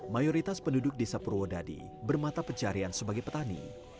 mayoritas penduduk desa purwodadi bermata pencarian sebagai petani